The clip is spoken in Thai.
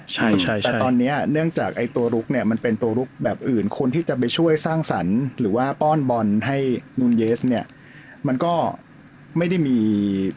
ใช่แต่ตอนนี้เนื่องจากไอ้ตัวลุกเนี่ยมันเป็นตัวลุกแบบอื่นคนที่จะไปช่วยสร้างสรรค์หรือว่าป้อนบอลให้นูนเยสเนี่ยมันก็ไม่ได้มี